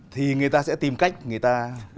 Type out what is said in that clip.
thì người ta sẽ tìm cách người ta